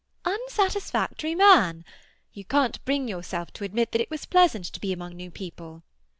"Unsatisfactory man! You can't bring yourself to admit that it was pleasant to be among new people.